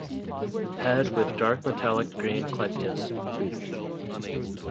Head with dark metallic green clypeus.